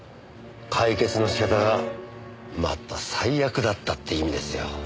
解決の仕方がまた最悪だったって意味ですよ。